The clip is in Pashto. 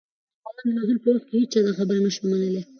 د قرآن د نزول په وخت كي هيچا دا خبره نه شوى منلى